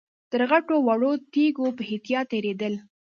تر غټو او وړو تيږو په احتياط تېرېدل.